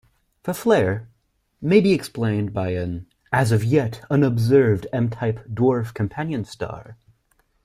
The flare may be explained by an as yet unobserved M-type dwarf companion star.